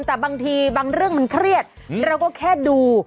แต่บางทีบางเรื่องมันเครียดเราก็แค่ดู